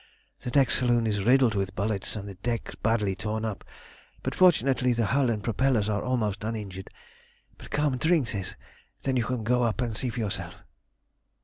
The deck saloon is riddled with bullets, and the decks badly torn up, but fortunately the hull and propellers are almost uninjured. But come, drink this, then you can go up and see for yourself."